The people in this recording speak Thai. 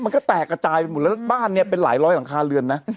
มันก็แตกกระจายไปหมดแล้วบ้านเนี่ยเป็นหลายร้อยหลังคาเรือนนะ